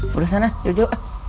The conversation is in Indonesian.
perlu sana yuk yuk